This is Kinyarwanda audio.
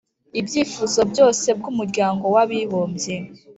ibyifuzo byose bw'umuryango w'abibumbye .